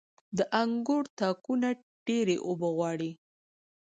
• د انګورو تاکونه ډيرې اوبه غواړي.